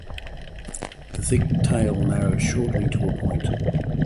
The thick tail narrows shortly to a point.